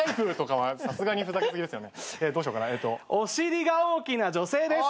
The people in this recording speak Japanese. お尻が大きな女性です。